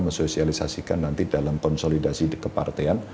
mesosialisasikan nanti dalam konsolidasi kepartean